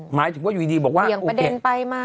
หมายถึงว่าอยู่ดีเบียงประเด็นไปมา